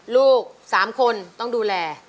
ลูก๓คนต้องดูแล